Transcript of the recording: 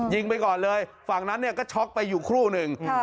ไปก่อนเลยฝั่งนั้นเนี่ยก็ช็อกไปอยู่ครู่หนึ่ง